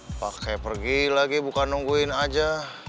pakai pergi lagi bukan nungguin aja